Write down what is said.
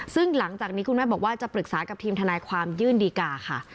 ซึ่งหลังจากนี้คุณแม่บอกว่าจะปรึกษากับทีมทนายความยื่นดีกาค่ะ